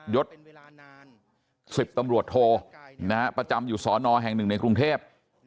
ยด๑๐ตำรวจโทนะฮะประจำอยู่สนแห่ง๑ในกรุงเทพฯ